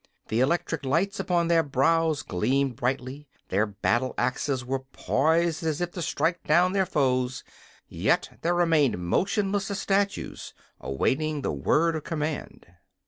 The electric lights upon their brows gleamed brightly, their battle axes were poised as if to strike down their foes; yet they remained motionless as statues, awaiting the word of command.